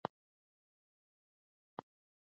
د اوبو سپما د هر وګړي مسوولیت دی.